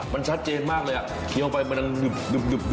มันชัดเจนมากเลยอ่ะเคี้ยวไปมันดึบ